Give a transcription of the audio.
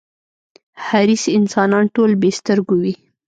حریص انسانان ټول بې سترگو وي.